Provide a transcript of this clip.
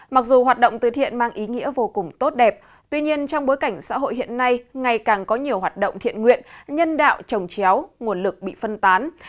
mặc dù hoạt động từ thiện mang ý nghĩa vô cùng tốt đẹp tuy nhiên trong bối cảnh xã hội hiện nay ngày càng có nhiều hoạt động thiện nguyện nhân đạo trồng chéo nguồn lực bị phân tán